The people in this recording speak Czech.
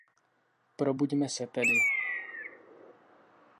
Probuďme se tedy!